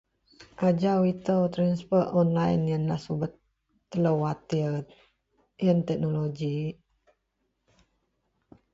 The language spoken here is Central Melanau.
ajau itou transfer online ienlah subet telou watir ien teknologi